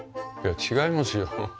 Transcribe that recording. いや違いますよ。